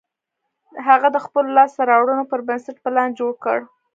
هغه د خپلو لاسته رواړنو پر بنسټ پلان جوړ کړ